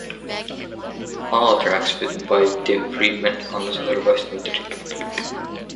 All tracks written by Tim Freedman, unless otherwise noted.